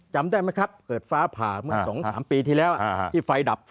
จำได้ไหมครับเกิดฟ้าผ่าเมื่อ๒๓ปีที่แล้วที่ไฟดับ